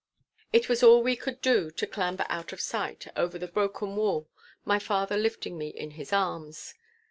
It was all we could do to clamber out of sight over the broken wall, my father lifting me in his arms.